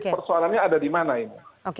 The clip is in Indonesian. persoalannya ada di mana ini